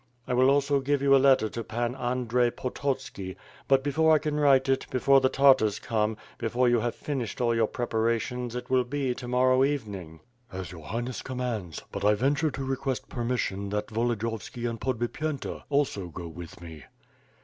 I will also give you a letter to Pan Audrey Pototski; but, before I can write it, before the Tar tars come, before you have finished all your preparations, it will be to morrow evening." "As your Highness commands; but I venture to request permission that Volodiyovski and Podbipyenta also go with me."